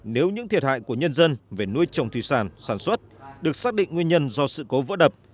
nếu những thiệt hại của nhân dân về nuôi trồng thủy sản sản xuất được xác định nguyên nhân do sự cố vỡ đập